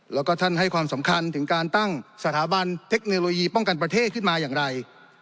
แล้วก็ท่านให้ความสำคัญถึงการตั้งสถาบันเทคโนโลยีป้องกันประเทศขึ้นมาอย่างไร